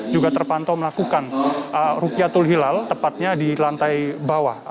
juga terpantau melakukan rukyatul hilal tepatnya di lantai bawah